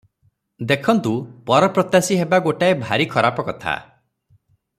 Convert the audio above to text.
ଦେଖନ୍ତୁ ପରପ୍ରତ୍ୟାଶୀ ହେବା ଗୋଟାଏ ଭାରି ଖରାପ କଥା ।